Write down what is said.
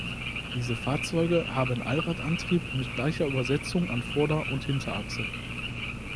Diese Fahrzeuge haben Allradantrieb mit gleicher Übersetzung an Vorder- und Hinterachse.